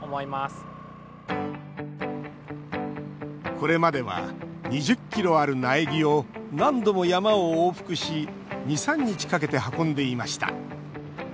これまでは２０ｋｇある苗木を何度も山を往復し２３日かけて運んでいました。